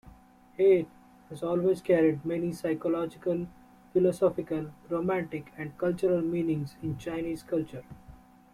Hair has always carried many psychological, philosophical, romantic, and cultural meanings in Chinese culture.